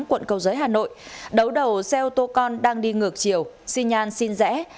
quận cầu giấy hà nội đấu đầu xe ô tô con đang đi ngược chiều xin nhan xin rẽ